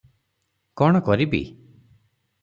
କଣ କରିବି?